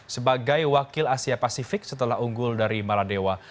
sebagai wakil asia pasifik setelah unggul dari maladewa